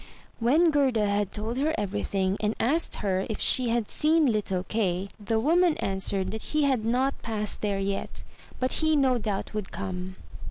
When Gerda had told her everything, and asked her if she had seen little Kay, the Woman answered that he had not passed there yet, but he no doubt would come.